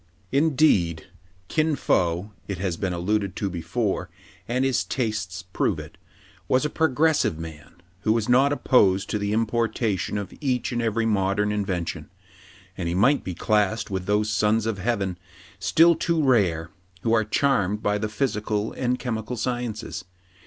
Indeed, Kin Fo — it has been alluded to before, and his tastes prove it — was a progressive man, who was not opposed to the importation of each and every modern invention ; and he might be classed with those Sons of Heaven, still too rare, who are charmed by the physical and chemical sci ences.